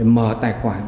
mở tài khoản